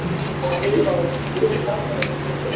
সিলেটের area commander তিনি।